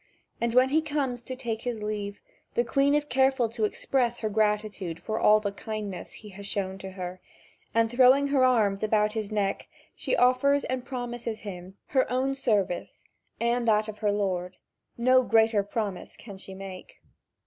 And when he comes to take his leave, the Queen is careful to express her gratitude for all the kindness he has shown to her, and throwing her arms about his neck, she offers and promises him her own service and that of her lord: no greater promise can she make.